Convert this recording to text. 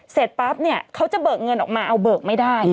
เสร็จปั๊บเนี่ยเขาจะเบิกเงินออกมาเอาเบิกไม่ได้